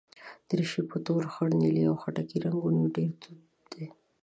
دریشي په تور، خړ، نیلي او خټکي رنګونو کې ډېره دود ده.